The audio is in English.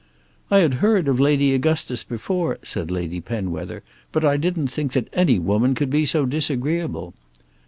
"I had heard of Lady Augustus before," said Lady Penwether, "but I didn't think that any woman could be so disagreeable."